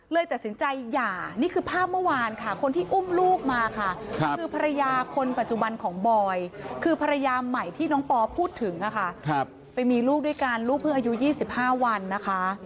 เลยตัดสินใจหย่านี่คือภาพเมื่อวานค่ะคนที่อุ้มลูกมาค่ะคือภรรยาคนปัจจุบันของบอยคือภรรยาใหม่ที่น้องปอพูดถึงค่ะไปมีลูกด้วยกันลูกเพิ่งอายุ๒๕วันนะคะ